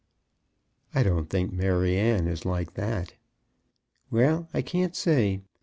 "I don't think Maryanne is like that." "Well; I can't say.